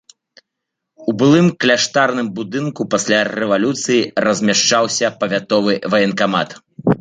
А ў былым кляштарным будынку пасля рэвалюцыі размяшчаўся павятовы ваенкамат.